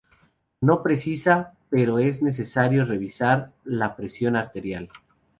No precisa, pero es necesario revisar la presión arterial.